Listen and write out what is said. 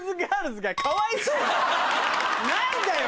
何だよ！